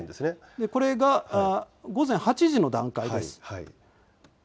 これが午前８時の段階です。